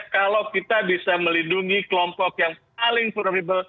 kalau kita bisa melindungi kelompok yang paling vulnerable